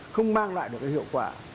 không mang lại được cái hiệu quả